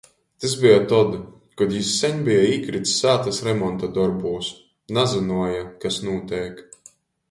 Tys beja tod, kod jis seņ beja īkrits sātys remonta dorbūs - nazynuoja, kas nūteik.